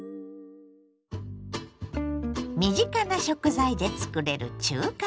身近な食材でつくれる中華丼。